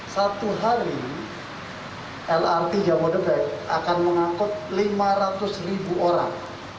satu hari lrt jabodetabek akan mengangkut lima ratus ribu orang